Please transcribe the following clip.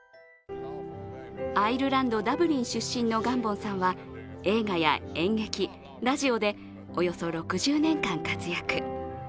アイルランド・ダブリン出身のガンボンさんは映画や演劇、ラジオでおよそ６０年間活躍。